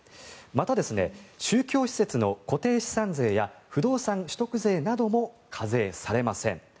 また、宗教施設の固定資産税や不動産所得税なども課税されません。